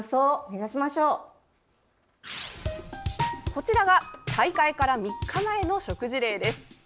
こちらが大会から３日前の食事例です。